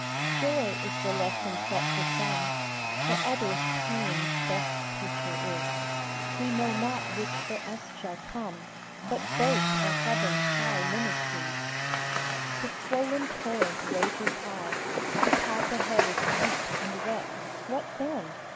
Joy is the lesson set for some, For others pain best teacher is ; We know not which for us shall come, But both are Heaven s high ministries. OPTIMISM. 119 The swollen torrent rages high ; The path ahead is steep and wet. What then